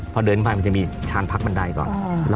พอเดินไปมันจะมีชานพักบันไดก่อน